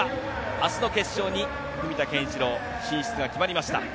明日の決勝に文田健一郎、進出が決まりました。